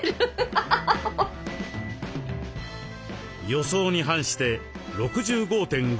予想に反して６５．５キロ。